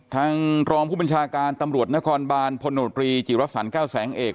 ทางรองผู้บัญชาการตำรวจนครบานพลโนตรีจิรสันแก้วแสงเอก